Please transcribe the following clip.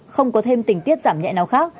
không có thêm tình tiết giảm nhẹ nào khác